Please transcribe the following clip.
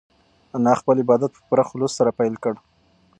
انا خپل عبادت په پوره خلوص سره پیل کړ.